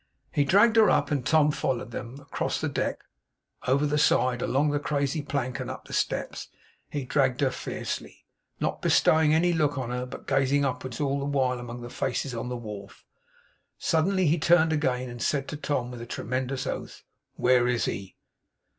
He dragged her up, and Tom followed them. Across the deck, over the side, along the crazy plank, and up the steps, he dragged her fiercely; not bestowing any look on her, but gazing upwards all the while among the faces on the wharf. Suddenly he turned again, and said to Tom with a tremendous oath: 'Where is he?